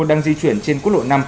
đang di chuyển trên quốc lộ năm